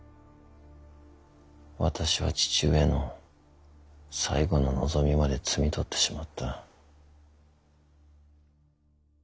私は父上の最後の望みまで摘み取ってしまった。